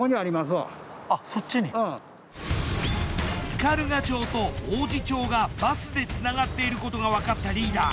斑鳩町と王寺町がバスで繋がっていることがわかったリーダー。